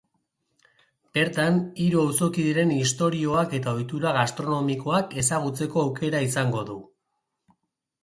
Bertan, hiru auzokideren istorioak eta ohitura gastronomikoak ezagutzeko aukera izango du.